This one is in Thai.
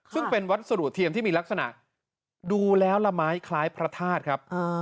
ซึ่งเป็นวัสดุเทียมที่มีลักษณะดูแล้วละไม้คล้ายพระธาตุครับ